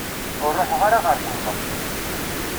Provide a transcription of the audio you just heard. Ur ruḥeɣ ara ɣer temḍelt.